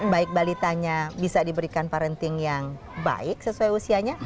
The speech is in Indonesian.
baik balitanya bisa diberikan parenting yang baik sesuai usianya